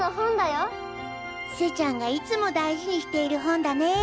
ちせちゃんがいつもだいじにしている本だね。